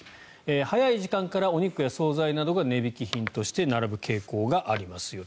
早い時間からお肉や総菜などが値引き品として並ぶことがありますよと。